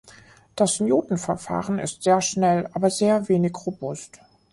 Das Newton-Verfahren ist sehr schnell, aber sehr wenig robust.